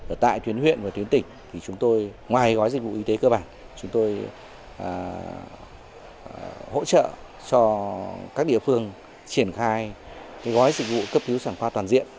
ở tại tuyến huyện và tuyến tỉnh ngoài gói dịch vụ y tế cơ bản chúng tôi hỗ trợ cho các địa phương triển khai gói dịch vụ cấp thiếu sản khoa toàn diện